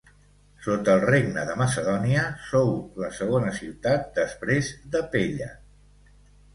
Sota el regne de Macedònia sou la segona ciutat després de Pella.